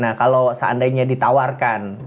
nah kalau seandainya ditawarkan